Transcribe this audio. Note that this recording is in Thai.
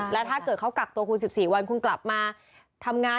แล้วถ้าเกิดเขากักตัวคุณ๑๔วันคุณกลับมาทำงาน